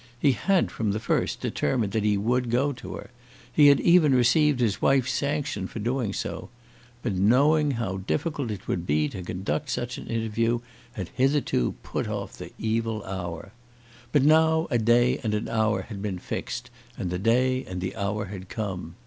He had, from the first, determined that he would go to her. He had even received his wife's sanction for doing so; but, knowing how difficult it would be to conduct such an interview, had, hitherto, put off the evil hour. But now a day and an hour had been fixed, and the day and the hour had come.